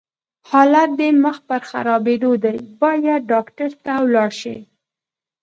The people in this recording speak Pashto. حالت دې مخ پر خرابيدو دی، بايد ډاکټر ته ولاړ شې!